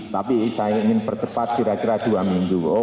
tapi saya ingin percepat kira kira dua minggu